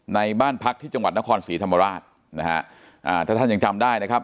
ในบ้านพักที่จังหวัดนครศรีธรรมราชนะฮะอ่าถ้าท่านยังจำได้นะครับ